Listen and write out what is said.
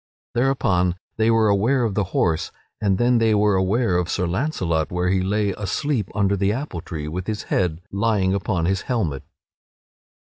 Thereupon, they were aware of the horse, and then they were aware of Sir Launcelot where he lay asleep under the apple tree, with his head lying upon his helmet.